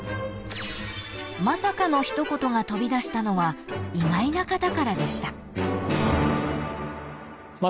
［まさかの一言が飛び出したのは意外な方からでした］